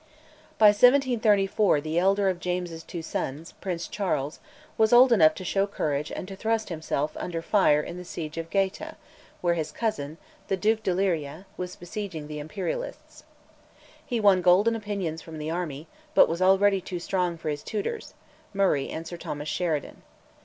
By 1734 the elder of James's two sons, Prince Charles, was old enough to show courage and to thrust himself under fire in the siege of Gaeta, where his cousin, the Duc de Liria, was besieging the Imperialists. He won golden opinions from the army, but was already too strong for his tutors Murray and Sir Thomas Sheridan.